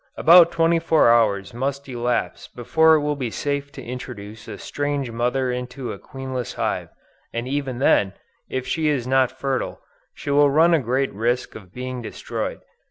About 24 hours must elapse before it will be safe to introduce a strange mother into a queenless hive; and even then, if she is not fertile, she will run a great risk of being destroyed.